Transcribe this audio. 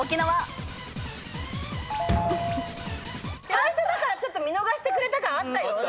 最初だからちょっと見逃してくれた感あったよ。